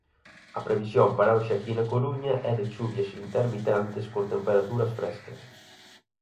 A previsión para hoxe aquí na Coruña é de chuvias intermitentes con temperaturas frescas.